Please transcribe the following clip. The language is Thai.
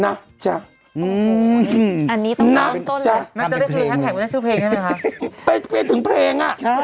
นักจะเรียกถึงทางแหกน่าชื่อเพลงน่าไปถึงเพลงอ่ะ